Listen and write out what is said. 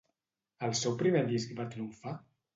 El seu primer disc va triomfar?